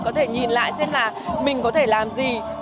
có thể nhìn lại xem là mình có thể làm gì